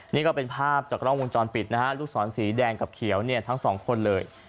นี่ก็เป็นภาพจากกล้องวงจรปิดนะฮะลูกศรสีแดงกับเขียวเนี่ยทั้งสองคนเลย